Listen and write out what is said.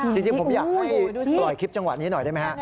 จริงผมอยากระวังให้กล่อยคลิปจังหวัดนี้หน่อยนะครับ